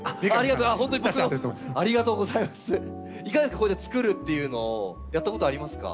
こうやってつくるっていうのをやったことありますか？